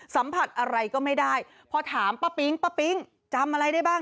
สัมผัสอะไรก็ไม่ได้พอถามป้าปิ๊งป้าปิ๊งจำอะไรได้บ้าง